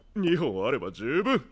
２本あれば十分。